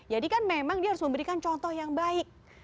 jadi kan memang dia harus memberikan contoh yang baik